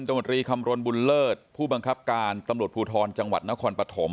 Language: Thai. ตำรวจรีคำรณบุญเลิศผู้บังคับการตำรวจภูทรจังหวัดนครปฐม